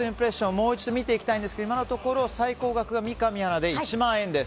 もう一度見ていきたいんですが今のところ最高額が三上アナで１万円です。